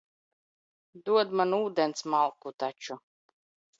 Dod man ūdens malku taču.